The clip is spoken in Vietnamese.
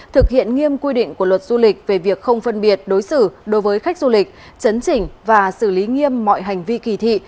thực hiện nghiêm quy định của luật du lịch về việc không phân biệt đối xử đối với khách du lịch chấn chỉnh và xử lý nghiêm mọi hành vi kỳ thị